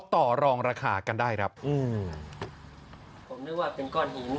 ต่อรองราคากันได้ครับอืมผมนึกว่าเป็นก้อนหิน